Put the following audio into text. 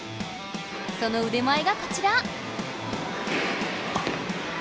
そのうで前がこちら！